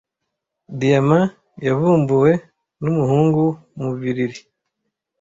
Diyama yavumbuwe numuhungu mu bibiri .